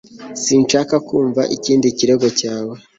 sinshaka kumva ikindi kirego cyawe